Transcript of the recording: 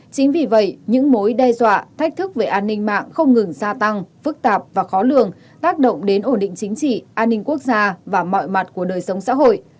chính vì vậy những mối đe dọa thách thức về an ninh mạng không ngừng gia tăng phức tạp và khó lường tác động đến ổn định chính trị an ninh quốc gia và mọi mặt của đời sống xã hội